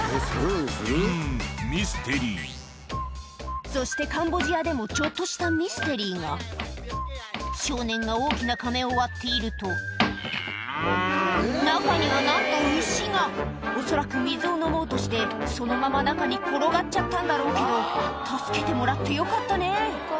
うんミステリーそしてカンボジアでもちょっとしたミステリーが少年が大きなかめを割っていると中には何と牛が恐らく水を飲もうとしてそのまま中に転がっちゃったんだろうけど助けてもらってよかったね